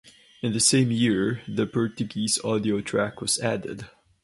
In the same year, the Portuguese audio track was added.